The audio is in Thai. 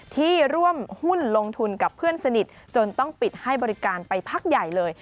ที่ร่วมหุ้นลงทุนกับเพื่อนสนิทจนต้องปิดให้บริการไปพักใหญ่เลย